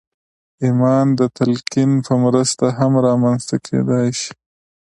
ایمان د تلقین په مرسته هم رامنځته کېدای شي